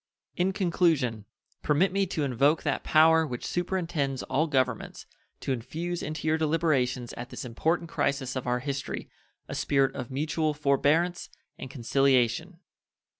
In conclusion permit me to invoke that Power which superintends all governments to infuse into your deliberations at this important crisis of our history a spirit of mutual forbearance and conciliation.